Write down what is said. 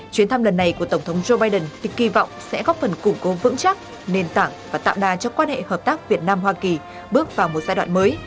chuyến thăm lần này của tổng thống joe biden thì kỳ vọng sẽ góp phần củng cố vững chắc nền tảng và tạo đà cho quan hệ hợp tác việt nam hoa kỳ bước vào một giai đoạn mới